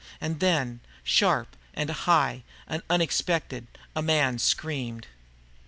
And then, sharp and high and unexpected, a man screamed.